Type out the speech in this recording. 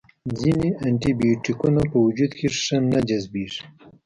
ځینې انټي بیوټیکونه په وجود کې ښه نه جذبیږي.